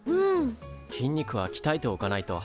筋肉はきたえておかないと。